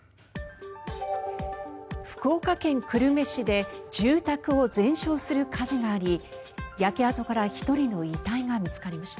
福岡県久留米市で住宅を全焼する火事があり焼け跡から１人の遺体が見つかりました。